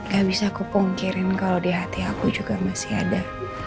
gak bisa aku pungkirin kalau di hati aku juga masih ada